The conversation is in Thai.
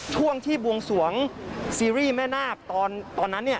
ช่วงที่บวงสวงซีรีส์แม่นาคตอนนั้นเนี่ย